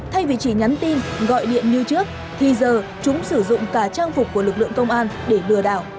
thay vì chỉ nhắn tin gọi điện như trước thì giờ chúng sử dụng cả trang phục của lực lượng công an để lừa đảo